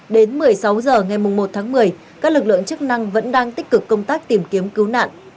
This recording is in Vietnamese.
đến một mươi sáu h ngày một tháng một mươi các lực lượng chức năng vẫn đang tích cực công tác tìm kiếm cứu nạn